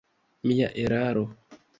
Mia eraro.